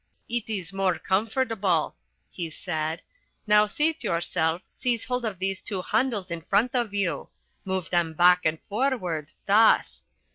"It is more comfortable," he said. "Now seat yourself, seize hold of these two handles in front of you. Move them back and forward, thus.